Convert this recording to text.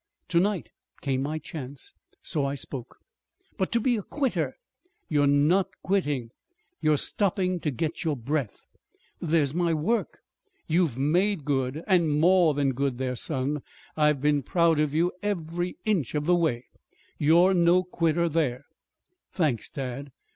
To night came my chance. So I spoke." "But to be a quitter!" "You're not quitting. You're stopping to get your breath." "There's my work." "You've made good, and more than good there, son. I've been proud of you every inch of the way. You're no quitter there." "Thanks, dad!"